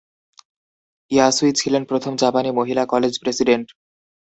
ইয়াসুই ছিলেন প্রথম জাপানি মহিলা কলেজ প্রেসিডেন্ট।